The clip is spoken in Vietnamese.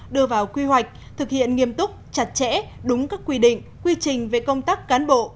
đưa vào quy hoạch thực hiện nghiêm túc chặt chẽ đúng các quy định quy trình về công tác cán bộ